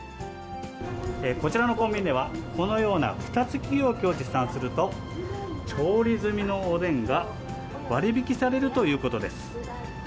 こちらのコンビニでは、このようなふた付き容器を持参すると、調理済みのおでんが割引されるということです。